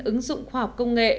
ứng dụng khoa học công nghệ